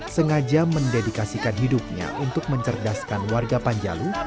sengaja mendedikasikan hidupnya untuk mencerdaskan warga panjalu